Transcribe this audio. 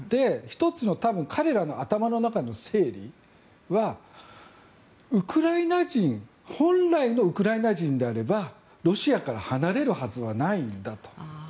１つの彼らの頭の中では本来のウクライナ人であればロシアから離れるはずはないんだと。